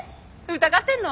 疑ってんの？